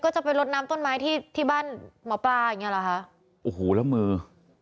โอ้โหแล้วมือ